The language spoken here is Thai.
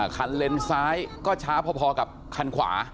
เลนซ้ายก็ช้าพอกับคันขวา